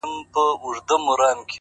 هغه تر اوسه د دوو سترگو په تعبير ورک دی-